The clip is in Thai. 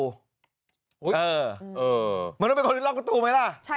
อุ๊ยเออเออมันต้องเป็นคนที่ล็อกประตูไหมล่ะ